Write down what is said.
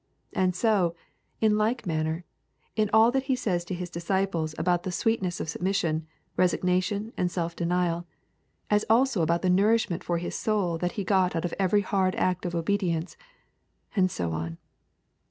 And so, in like manner, in all that He says to His disciples about the sweetness of submission, resignation, and self denial, as also about the nourishment for His soul that He got out of every hard act of obedience, and so on.